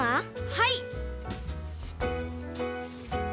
はい！